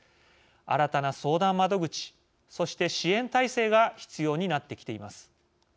新たな相談窓口そして支援体制が必要になってきています。